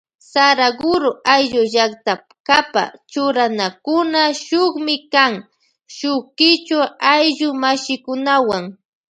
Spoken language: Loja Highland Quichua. Saraguro ayllu llaktakapa churanakuna shukmi kan shuk kichwa ayllu mashikunawan.